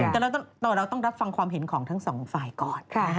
แต่เราต้องรับฟังความเห็นของทั้งสองฝ่ายก่อน